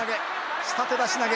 下手出し投げ。